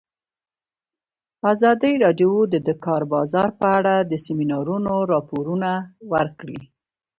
ازادي راډیو د د کار بازار په اړه د سیمینارونو راپورونه ورکړي.